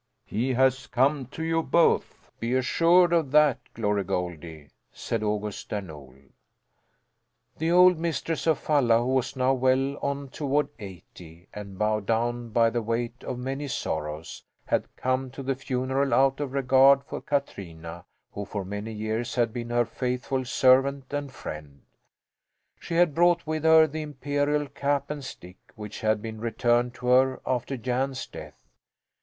"He has come to you both, be assured of that, Glory Goldie!" said August Där Nol. The old mistress of Falla, who was now well on toward eighty and bowed down by the weight of many sorrows, had come to the funeral out of regard for Katrina, who for many years had been her faithful servant and friend. She had brought with her the imperial cap and stick, which had been returned to her after Jan's death.